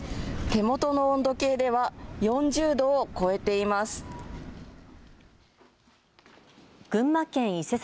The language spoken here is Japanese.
手元の温度計では４０度を超えています。